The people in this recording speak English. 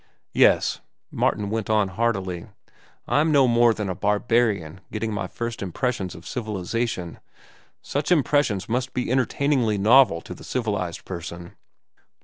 "Yes," Martin went on heartily, "I'm no more than a barbarian getting my first impressions of civilization. Such impressions must be entertainingly novel to the civilized person."